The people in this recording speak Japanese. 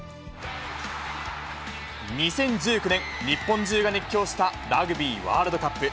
２０１９年、日本中が熱狂したラグビーワールドカップ。